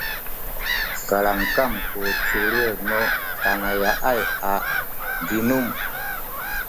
kalamkam ku culil nu tanaya’ay a zinum